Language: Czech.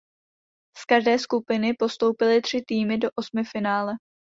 S každé skupiny postoupily tři týmy do osmifinále.